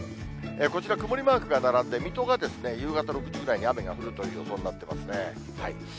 こちら、曇りマークが並んで、水戸が夕方６時ぐらいに雨が降るという予想になってますね。